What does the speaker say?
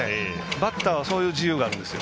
バッターはそういうのがあるんですよ。